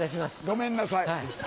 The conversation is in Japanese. ごめんなさい。